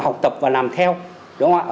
học tập và làm theo đúng không ạ